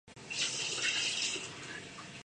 The tradition is linked to Italy by the Oratorians.